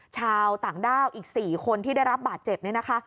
ชาวต่างด้าวอีก๔คนที่ได้รับบาดเจ็บเนี่ยนะคะ